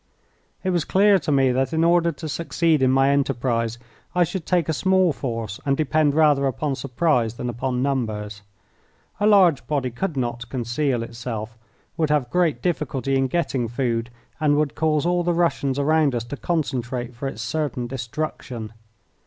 It was clear to me that in order to succeed in my enterprise I should take a small force and depend rather upon surprise than upon numbers. A large body could not conceal itself, would have great difficulty in getting food, and would cause all the Russians around us to concentrate for its certain destruction.